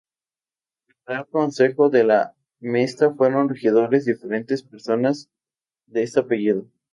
En el real Concejo de la Mesta, fueron Regidores diferentes personas de este apellido.